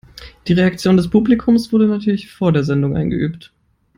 Die Reaktion des Publikums wurde natürlich vor der Sendung eingeübt.